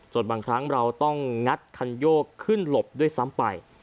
ส่วนบางครั้งเราต้องงัดคันโยกขึ้นหลบด้วยซ้ำไป